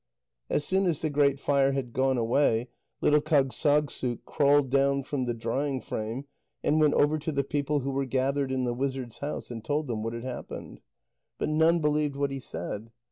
As soon as the Great Fire had gone away, little Kâgssagssuk crawled down from the drying frame and went over to the people who were gathered in the wizard's house, and told them what had happened. But none believed what he said.